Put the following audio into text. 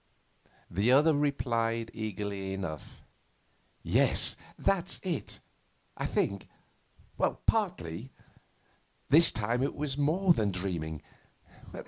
The other replied eagerly enough. 'Yes, that's it, I think partly. This time it was more than dreaming.